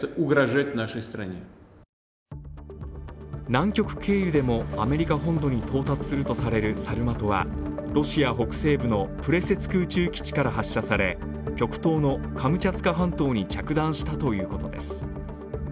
南極経由でもアメリカ本土に到達するとされるサルマトはロシア北西部のプレセツク宇宙基地から発射され、極東のカムチャツカ半島に着弾したということです。